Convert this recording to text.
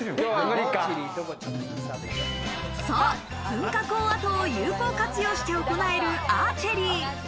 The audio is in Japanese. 噴火口跡を有効活用して行えるアーチェリー。